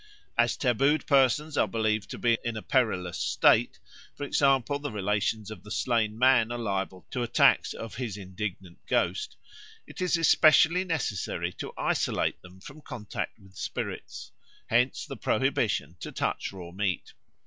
As tabooed persons are believed to be in a perilous state for example, the relations of the slain man are liable to the attacks of his indignant ghost it is especially necessary to isolate them from contact with spirits; hence the prohibition to touch raw meat.